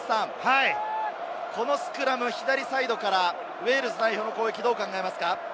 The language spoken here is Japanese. このスクラム、左サイドからウェールズ代表の攻撃をどう考えますか？